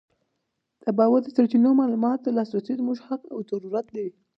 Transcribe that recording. د باوري سرچینو معلوماتو ته لاسرسی زموږ حق او ضرورت دی.